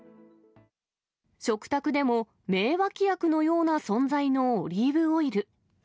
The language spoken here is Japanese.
食卓でも名脇役のような存在のオリーブオイル。